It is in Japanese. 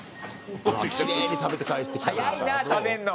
きれいに食べて返してきたな。